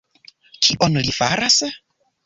Kion li faras...?